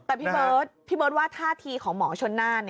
แต่พี่เบิร์ตพี่เบิร์ตว่าท่าทีของหมอชนน่าน